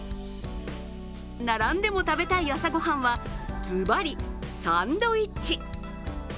並んでも食べたい朝ごはんはズバリ、サンドイッチ。